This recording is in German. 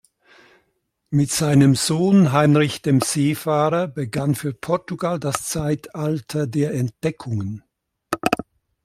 Mit seinem Sohn Heinrich dem Seefahrer begann für Portugal das Zeitalter der Entdeckungen.